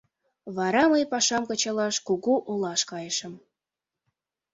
Вара мый пашам кычалаш кугу олаш кайышым.